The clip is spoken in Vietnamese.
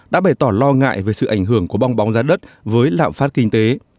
đã bày tỏ lo ngại về sự ảnh hưởng của bong bóng giá đất với lạm phát kinh tế